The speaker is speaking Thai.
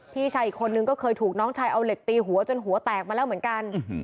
พี่ชายอีกคนนึงก็เคยถูกน้องชายเอาเหล็กตีหัวจนหัวแตกมาแล้วเหมือนกัน